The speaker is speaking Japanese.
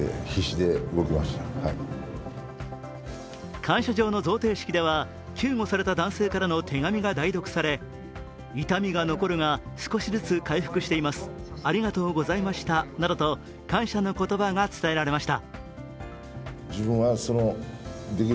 感謝状の贈呈式では救護された男性からの手紙が代読され痛みが残るが、少しずつ回復しています、ありがとうございましたなどと感謝の言葉が伝えられました。